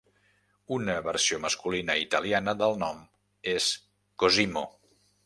Una versió masculina italiana del nom és "Cosimo".